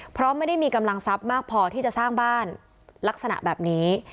เพราะไม่ได้มีกำลังทรัพย์มากพอที่จะสร้างบ้านลักษณะแบบนี้